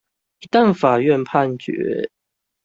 一旦法院判決